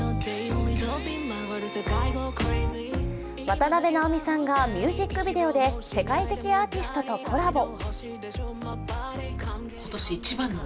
渡辺直美さんがミュージックビデオで世界的アーティストとコラボ。